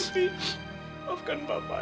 bapak yang bapak